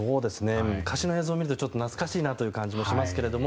昔の映像を見ると懐かしいなという感じもします。